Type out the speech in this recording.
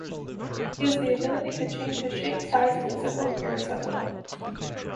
He has the ability to change his shape, size, and physical appearance at will.